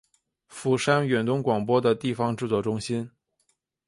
釜山远东广播的地方制作中心。